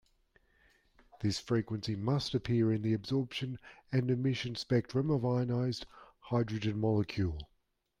This frequency must appear in the absorption and emission spectrum of ionized hydrogen molecule.